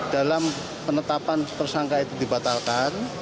dalam penetapan tersangka itu dibatalkan